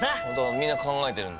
みんな考えてるんだ。